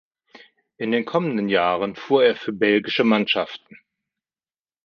In den kommenden Jahren fuhr er für belgische Mannschaften.